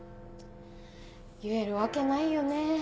言えるわけないよね。